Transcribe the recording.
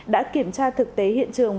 đã kiểm tra thực tế hiện trường